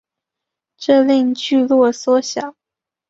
这令聚落缩小。